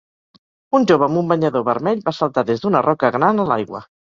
Un jove amb un banyador vermell va saltar des d'una roca gran a l'aigua.